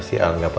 masa yang terbaik